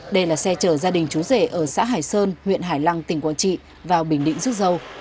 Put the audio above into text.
đây là xe chở gia đình chú rể ở xã hải sơn huyện hải lăng tỉnh quảng trị vào bình định rút dâu